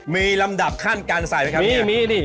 มีลำดับขั้นการใส่ไหมครับมีดิ